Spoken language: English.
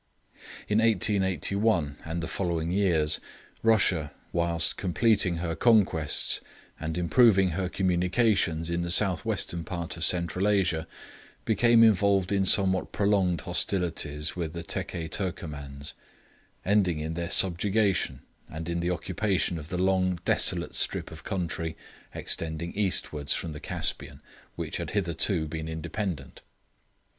In 1881 and the following years, Russia, whilst completing her conquests, and improving her communications in the south western part of Central Asia, became involved in somewhat prolonged hostilities with the Tekke Turcomans, ending in their subjugation, and in the occupation of the long, desolate strip of country extending eastwards from the Caspian, which had hitherto been independent.